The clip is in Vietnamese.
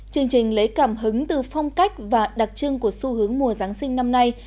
chương trình lấy cảm hứng từ phong cách và đặc trưng của xu hướng mùa giáng sinh năm nay